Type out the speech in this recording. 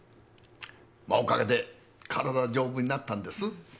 まあおかげで体は丈夫になったんです。